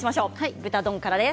豚丼からです。